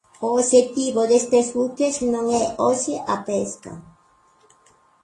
O obxectivo destes buques non é hoxe a pesca.